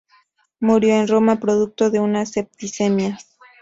Murió en Roma producto de una septicemia.